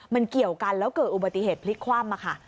มันเกี่ยวกันแล้วเกิดอุบัติเหตุพลิกคว่ำค่ะ